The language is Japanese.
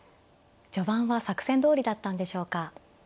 序盤は作戦どおりだったんでしょうか。